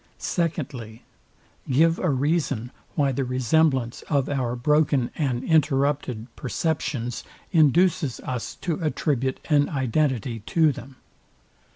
Secondly, Give a reason, why the resemblance of our broken and interrupted perceptions induces us to attribute an identity to them.